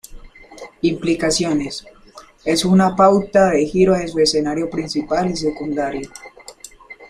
Implicaciones: Es una pauta de giro en su escenario principal y secundario.